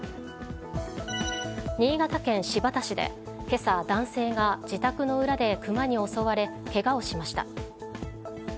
新潟県新発田市で今朝、男性が自宅の裏でクマに襲われけがをしました。